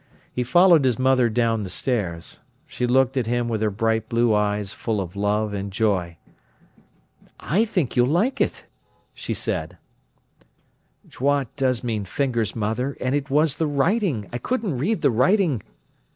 He followed his mother down the stairs. She looked at him with her bright blue eyes full of love and joy. "I think you'll like it," she said. "'Doigts' does mean 'fingers', mother, and it was the writing. I couldn't read the writing."